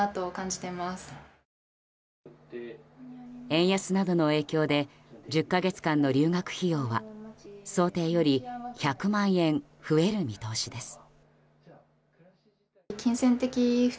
円安などの影響で１０か月間の留学費用は想定より１００万円増える見通しです。